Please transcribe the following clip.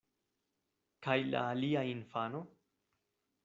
Kaj la alia infano?